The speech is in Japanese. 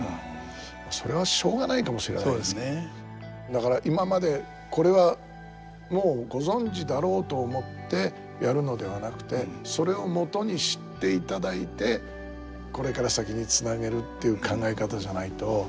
だから今まで「これはもうご存じだろう」と思ってやるのではなくてそれをもとにしていただいてこれから先につなげるっていう考え方じゃないと。